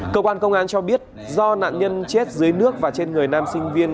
cơ quan công an cho biết do nạn nhân chết dưới nước và trên người nam sinh viên